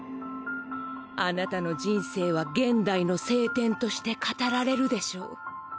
あなたの人生は現代の聖典として語られるでしょう。